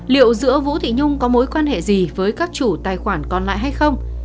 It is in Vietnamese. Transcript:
liệu giữa vũ thị nhung có mối quan hệ gì với các chủ tài khoản còn lại hay không